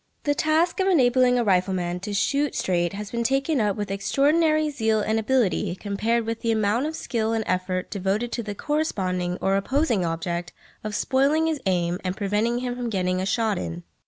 The task of enabling a rifleman to shoot straight has been taken up with extraordinary zeal and ability compared with the amount of skill and effort devoted to the corresponding or opposing object of spoiling his aim and preventing him from getting a shot in.